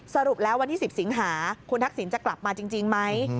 สรุปแล้ววันที่๑๐สิงหาคุณทักษิณจะกลับมาจริงไหม